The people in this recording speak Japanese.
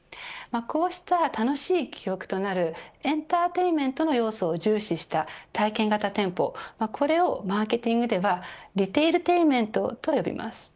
こうした楽しい記憶となるエンターテインメントの要素を重視した体験型店舗、これをマーケティングではリテイルテインメントと呼びます。